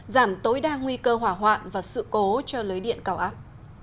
giảm tối đa nguy cơ hỏa hoạn và sự cố cho lưới điện cao áp